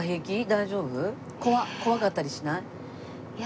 大丈夫？怖かったりしない？